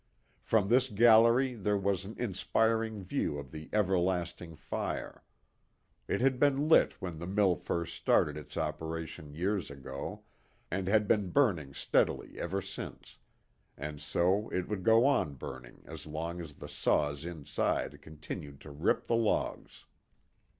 From this gallery there was an inspiring view of the "everlasting" fire. It had been lit when the mill first started its operations years ago, and had been burning steadily ever since; and so it would go on burning as long as the saws inside continued to rip the logs.